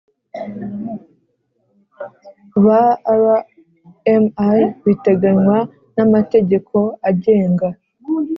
Ba rmi biteganywa n amategeko agenga